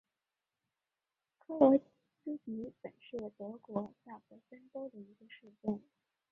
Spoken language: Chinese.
格罗斯迪本是德国萨克森州的一个市镇。